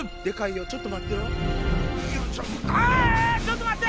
デカいよちょっと待ってよ。